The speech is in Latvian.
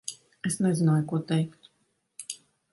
Es nezināju, ko teikt.